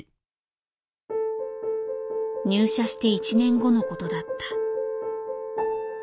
入社して１年後のことだった。